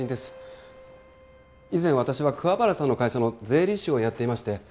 以前私は桑原さんの会社の税理士をやっていまして。